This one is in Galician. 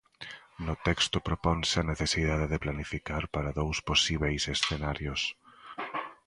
No texto proponse a necesidade de planificar para dous posíbeis escenarios.